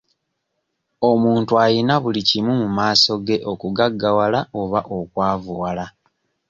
Omuntu ayina buli kimu mu maaso ge okugaggawala oba okwavuwala.